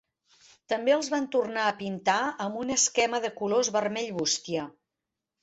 També els van tornar a pintar amb un esquema de colors vermell bústia.